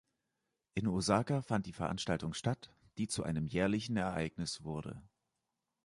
In Osaka fand die Veranstaltung statt, die zu einem jährlichen Ereignis wurde.